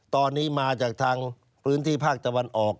ตอนนี้มาจากทางพื้นที่ภาคตะวันออก